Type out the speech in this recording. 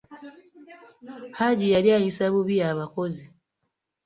Hajji yali ayisa bubi abakozi.